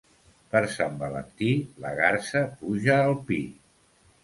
Per Sant Valentí, la garsa puja al pi.